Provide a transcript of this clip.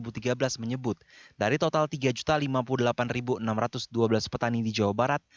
pada dua ribu tiga belas menyebut dari total tiga lima puluh delapan enam ratus dua belas petani di jawa barat